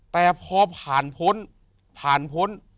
แต่พอผ่านพ้น